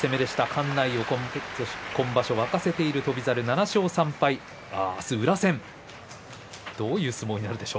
館内を今場所沸かせている翔猿は７勝３敗明日は宇良戦です。